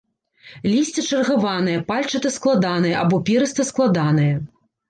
Лісце чаргаванае, пальчата-складанае або перыста-складанае.